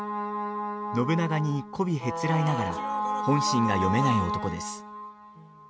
信長にこびへつらいながら本心が読めない男です。